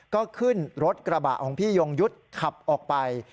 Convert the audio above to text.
ก็ขึ้นรถกระบะของพี่ยงยุทธ์ขับออกไป